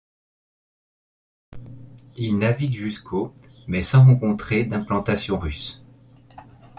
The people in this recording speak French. Il navigue jusqu'au mais sans rencontrer d'implantations russes.